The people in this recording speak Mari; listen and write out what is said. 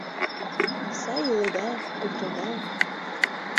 Сай иледа, кутыреда?!